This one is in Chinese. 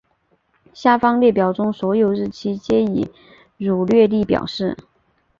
下方列表中所有日期皆以儒略历表示。